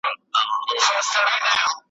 هره ورځ به یې کوله پروازونه `